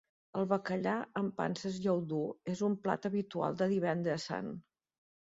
El bacallà amb panses i ou dur és un plat habitual de Divendres Sant.